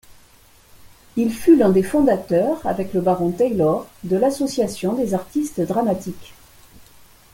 Il fut l'un des fondateurs, avec le baron Taylor, de l'Association des artistes dramatiques.